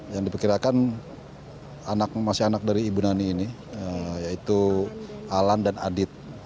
yang diperkirakan anak masih anak dari ibu nani ini yaitu alan dan adit